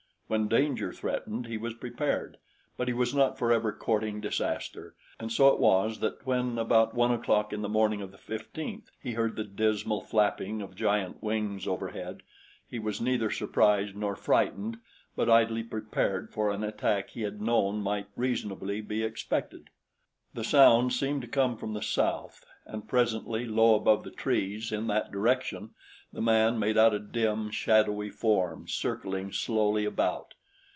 When danger threatened, he was prepared; but he was not forever courting disaster, and so it was that when about one o'clock in the morning of the fifteenth, he heard the dismal flapping of giant wings overhead, he was neither surprised nor frightened but idly prepared for an attack he had known might reasonably be expected. The sound seemed to come from the south, and presently, low above the trees in that direction, the man made out a dim, shadowy form circling slowly about.